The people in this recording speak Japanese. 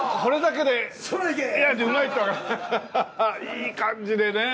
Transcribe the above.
いい感じでね。